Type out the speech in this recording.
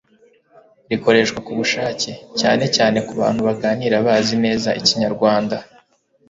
rikoreshwa ku bushake, cyane cyane ku bantu baganira bazi neza ikinyarwanda